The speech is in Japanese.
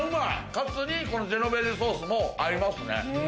カツにこのジェノベーゼソースも合いますね。